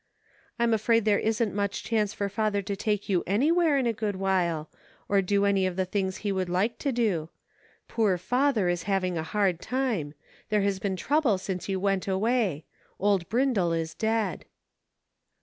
" I'm afraid there isn't much chance for father to take you anywhere in a good while, or do any of the things he would like to do. Poor father is having a hard time ; there's been trouble since you went away. Old Brindle is dead."